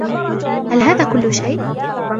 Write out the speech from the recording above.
هل هذا کل شی؟